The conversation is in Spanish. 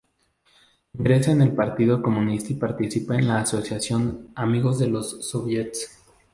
Ingresa en el Partido Comunista y participa en la Asociación "Amigos de los Soviets".